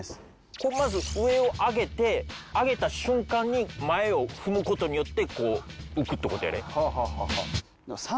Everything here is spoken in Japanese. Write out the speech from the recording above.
こうまず上を上げて上げた瞬間に前を踏む事によってこう浮くって事やで。